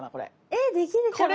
えできるかな。